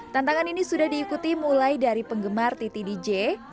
tantangan ini sudah diikuti mulai dari penggemar titi dj